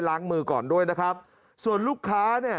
ล้างมือก่อนด้วยนะครับส่วนลูกค้าเนี่ย